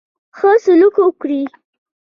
ښه سلوک وکړي.